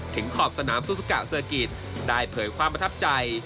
ขอบสนามซูซุกะเซอร์กิจได้เผยความประทับใจ